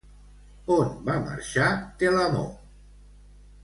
On va marxar Telamó?